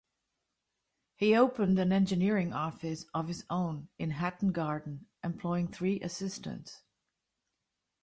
He opened an engineering office of his own in Hatton Garden, employing three assistants.